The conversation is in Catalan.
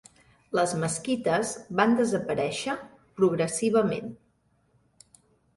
Les mesquites van desaparèixer progressivament.